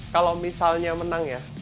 kalau misalnya menang ya